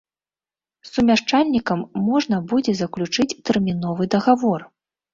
З сумяшчальнікам можна будзе заключаць тэрміновы дагавор.